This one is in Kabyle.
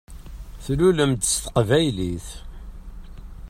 Tlulem-d s teqbaylit.